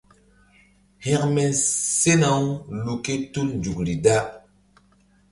Hȩkme sena-u lu ké tul nzukri da.